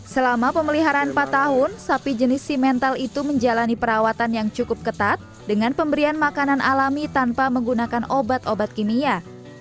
selama pemeliharaan empat tahun sapi jenis simental itu menjalani perawatan yang cukup ketat dengan pemberian makanan alami tanpa menggunakan obat obat kimia